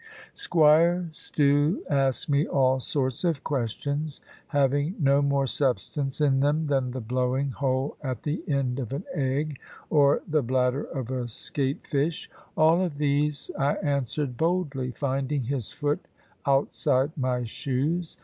Squire Stew asked me all sorts of questions having no more substance in them than the blowing hole at the end of an egg, or the bladder of a skate fish. All of these I answered boldly, finding his foot outside my shoes.